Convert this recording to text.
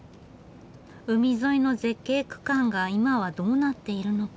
海沿いの絶景区間が今はどうなっているのか